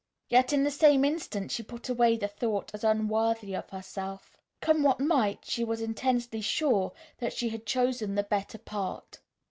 Yet in the same instant she put away the thought as unworthy of herself. Come what might she was intensely sure that she had chosen the better part.